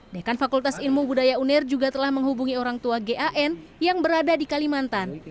dekan fakultas ilmu budaya uner juga telah menghubungi orang tua gan yang berada di kalimantan